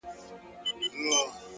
ناکامي د پوهې پټه ښوونکې ده.!